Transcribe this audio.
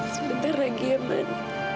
sebentar lagi man